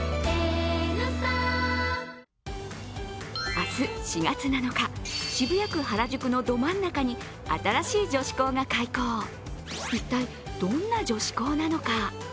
明日４月７日、渋谷区原宿のど真ん中に新しい女子校が開校一体、どんな女子校なのか。